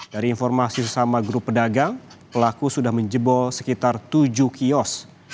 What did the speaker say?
dari informasi sesama grup pedagang pelaku sudah menjebol sekitar tujuh kios